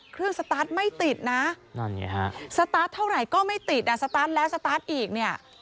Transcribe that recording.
เครื่องสตาร์ทไม่ติดนะสตาร์ทเท่าไหร่ก็ไม่ติดสตาร์ทแล้วสตาร์ทอีก